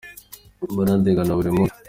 baragendana burimunsi.